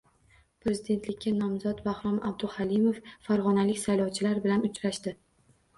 Prezidentlikka nomzod Bahrom Abduhalimov farg‘onalik saylovchilar bilan uchrashdi